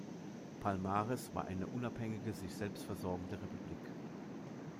Palmares war eine unabhängige, sich selbst versorgende Republik.